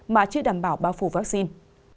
mà chưa đảm bảo bao phủ vaccine